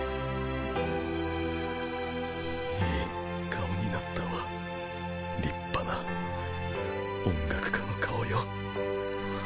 いい顔になったわ立派な音楽家の顔よ。